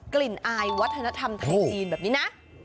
อายวัฒนธรรมไทยจีนแบบนี้นะ